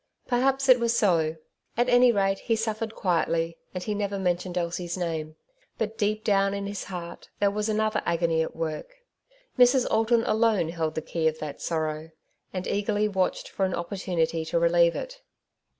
Perhaps it was so. At any rate he suffered quietly^ and he never mentioned Elsie's name. Bat deep down in his heart there was another agony at work. Mrs. Alton alone held the key of that sorrow, and eagerly watched for an opportnnity to relieve it.